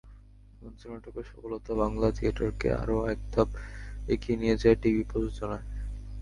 মঞ্চ নাটকের সফলতা বাংলা থিয়েটারকে আরও একধাপ এগিয়ে নিয়ে যায় টিভি প্রযোজনায়।